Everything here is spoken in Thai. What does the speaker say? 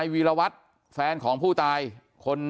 อยู่ดีมาตายแบบเปลือยคาห้องน้ำได้ยังไง